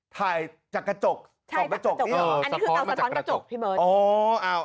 ถ่ายจากกระจกจากกระจกนี่เหรอ